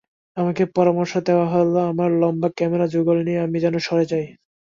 আমাকে পরামর্শ দেওয়া হলো, আমার লম্বা ক্যামেরা-যুগল নিয়ে আমি যেন সরে যাই।